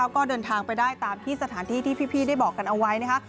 ก็เดินทางไปได้ตามที่สถานที่ที่พี่ได้บอกกันเอาไว้นะคะ